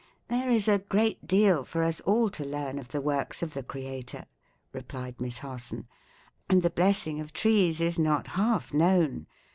"There is a great deal for us all to learn of the works of the Creator," replied Miss Harson, "and the blessing of trees is not half known.